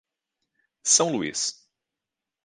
São Luís